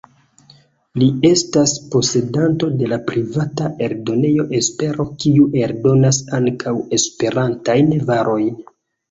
Li estas posedanto de la privata eldonejo Espero, kiu eldonas ankaŭ Esperantajn varojn.